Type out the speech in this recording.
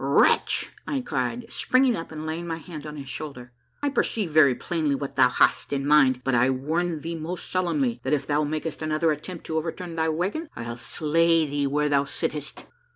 "Wretch!" I cried, springing up and laying my hand on his shoulder. " I perceive very plainly what thou hast in mind, but I warn thee most solemnly that if thou makest another attempt to overturn thy wagon. I'll slay thee where thou sittest."